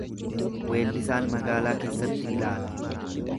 Weellisaan magaalaa keessatti ilaala.